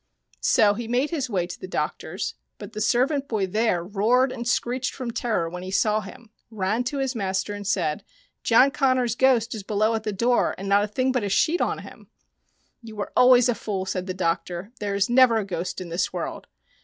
So he made his way to the doctor's, but the servant boy there roared and screeched from terror when he saw him, ran to his master, and said, "John Connors' ghost is below at the door, and not a thing but a sheet on him." "You were always a fool," said the doctor. " There is never a ghost in this world."